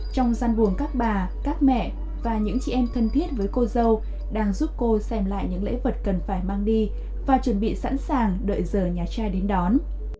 trong gian buồng các bà các mẹ và những chị em thân thiết với cô dâu đang giúp cô xem lại những lễ vật cần phải mang đi và chuẩn bị sẵn sàng đợi giờ nhà trai đến đón